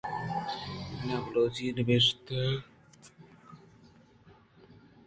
اِناں ، بلوچی ءَ نبشتہ ئِے کن ءُ راہ مہ دئے پرچا کہ من بلوچی وانگ نہ زان آں۔